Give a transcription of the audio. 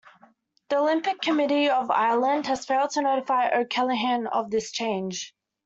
The Olympic Committee of Ireland had failed to notify O'Callaghan of this change.